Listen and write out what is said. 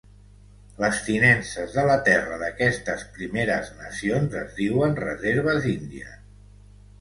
Les tinences de la terra d'aquestes Primeres Nacions es diuen reserves índies.